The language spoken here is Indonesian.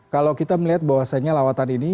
kalau kita melihat bahwasannya lawatan ini